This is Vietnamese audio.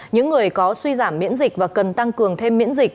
những người có suy giảm miễn dịch và cần tăng cường thêm miễn dịch